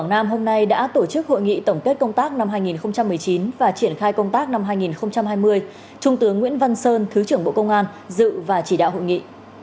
các giải pháp trọng tâm đột phá năm hai nghìn một mươi chín và triển khai công tác năm hai nghìn hai mươi trung tướng nguyễn văn sơn thứ trưởng bộ công an dự và chỉ đạo hội nghị